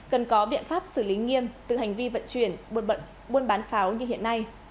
cần có biện pháp xử lý nghiêm từ hành vi vận chuyển buôn bán pháo như hiện nay